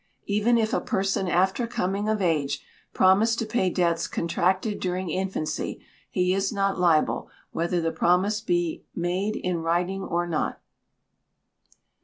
Even if a person after coming of age promise to pay debts contracted during infancy, he is not liable, whether the promise be made in writing or not.